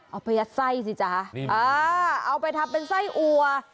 เอาไปยัดไส้สิจ๊ะเอาไปทำเป็นไส้อัว